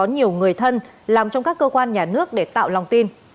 nhà nước để tạo lòng tin